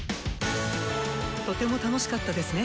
とても楽しかったですね